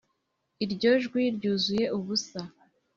iryo jwi ryuzuye ubusa